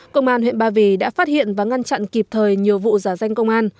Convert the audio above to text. công an huyện ba vì đã phát hiện và ngăn chặn kịp thời nhiều vụ giả danh công an